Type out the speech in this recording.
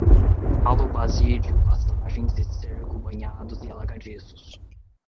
talo, basídio, pastagens, esterco, banhados e alagadiços